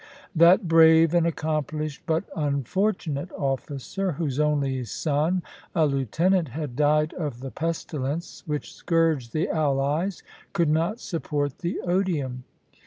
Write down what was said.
That brave and accomplished but unfortunate officer, whose only son, a lieutenant, had died of the pestilence which scourged the allies, could not support the odium.